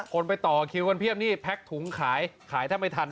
ไปต่อคิวกันเพียบนี่แพ็กถุงขายขายแทบไม่ทัน